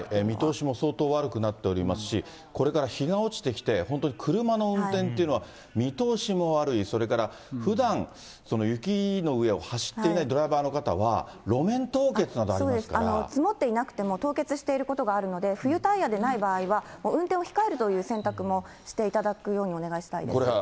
見通しも相当悪くなっておりますし、これから日が落ちてきて、本当に車の運転というのは、見通しも悪い、それからふだん、雪の上を走っていないドライバーの方は、積もっていなくても、凍結していることがあるので、冬タイヤでない場合は、運転を控えるという選択もしていただくようにお願いいたします。